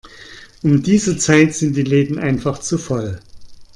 Um diese Zeit sind die Läden einfach zu voll.